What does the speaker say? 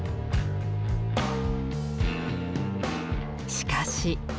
しかし。